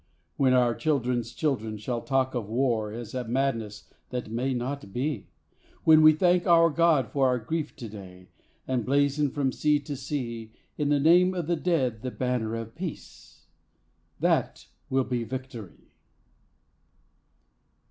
When our children's children shall talk of War as a madness that may not be; When we thank our God for our grief to day, and blazon from sea to sea In the name of the Dead the banner of Peace ... _THAT WILL BE VICTORY.